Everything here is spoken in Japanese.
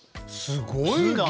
すごいな！